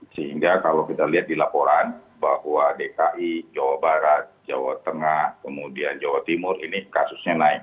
sehingga kalau kita lihat di laporan bahwa dki jawa barat jawa tengah kemudian jawa timur ini kasusnya naik